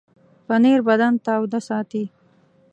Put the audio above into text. پنېر بدن تاوده ساتي.